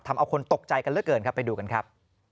ทำเอาคนตกใจกันแล้วเกินไปดูกันครับ